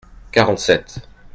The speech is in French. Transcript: Quarante-sept.